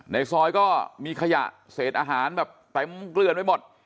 ในซอยก็มีขยะเศษอาหารแบบเต็มเกลือนไปหมด